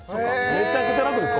めちゃくちゃ楽です